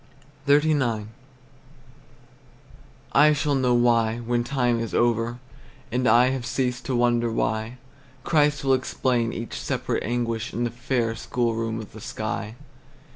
XXXIX. I shall know why, when time is over, And I have ceased to wonder why; Christ will explain each separate anguish In the fair schoolroom of the sky.